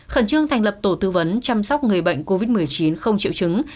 khẩn trương thành lập tổ tư vấn chăm sóc người bệnh covid một mươi chín không triệu chứng